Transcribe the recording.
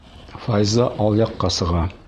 Файза алъяҡҡа сыға.